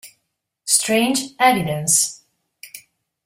Strange Evidence